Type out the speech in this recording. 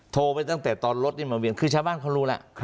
โทรไปตั้งแต่ตอนรถนี่มาเวียนคือชาวบ้านเขารู้แล้ว